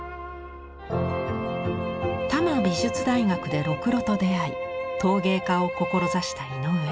多摩美術大学でろくろと出会い陶芸家を志した井上。